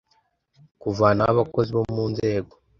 kuvanaho abakozi bo mu nzego